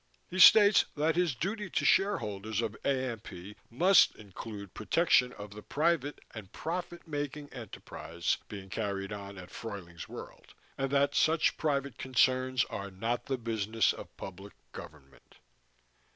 He states that his duty to shareholders of AMP must include protection of the private and profit making enterprise being carried on at Fruyling's World, and that such private concerns are not "the business of public government."